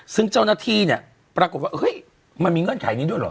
ซึ่งเจ้าหน้าที่เนี่ยปรากฏว่าเฮ้ยมันมีเงื่อนไขนี้ด้วยเหรอ